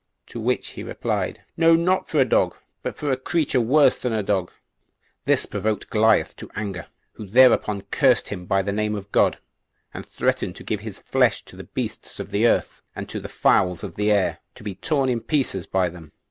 To which he replied, "No, not for a dog, but for a creature worse than a dog." This provoked Goliath to anger, who thereupon cursed him by the name of God, and threatened to give his flesh to the beasts of the earth, and to the fowls of the air, to be torn in pieces by them.